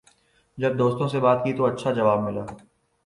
جب دوستوں سے بات کی تو اچھا جواب ملا